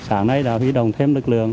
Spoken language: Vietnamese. sáng nay đã huy động thêm lực lượng